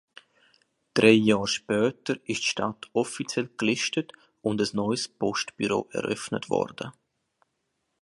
Drei Jahre später wurde die Stadt offiziell gelistet und ein neues Postbüro wurde eröffnet.